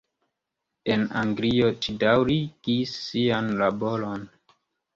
En Anglio ŝi daŭrigis sian laboron.